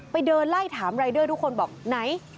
เดินไล่ถามรายเดอร์ทุกคนบอกไหน